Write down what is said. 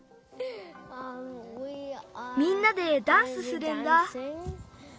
みんなでダンスするんだ。